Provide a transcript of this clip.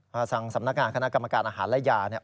ทางสำนักงานคณะกรรมการอาหารและยาเนี่ย